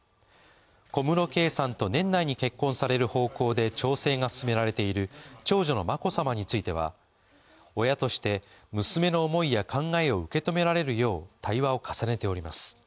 小室圭さんと年内に結婚される方向で調整が進められている長女の眞子さまについては親として娘の思いや考えを受け止められるよう対話を重ねております。